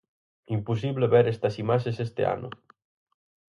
Imposible ver estas imaxes este ano.